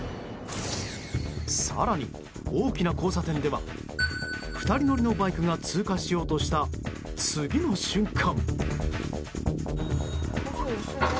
更に、大きな交差点では２人乗りのバイクが通過しようとした次の瞬間。